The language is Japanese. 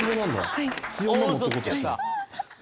はい。